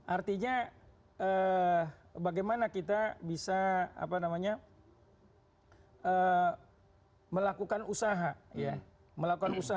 artinya bagaimana kita bisa melakukan usaha